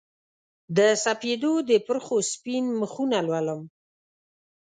د سپیدو د پرخو سپین مخونه لولم